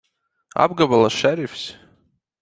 Apgabala šerifs!